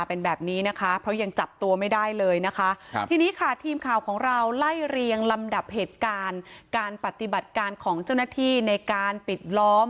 เป็นแบบนี้นะคะเพราะยังจับตัวไม่ได้เลยนะคะครับทีนี้ค่ะทีมข่าวของเราไล่เรียงลำดับเหตุการณ์การปฏิบัติการของเจ้าหน้าที่ในการปิดล้อม